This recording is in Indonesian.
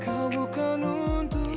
kau bukan untuk